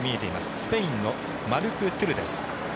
スペインのマルク・トゥルです。